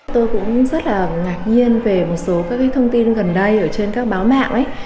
tôi cũng rất là ngạc nhiên về một số các cái thông tin gần đây ở trên các báo mạng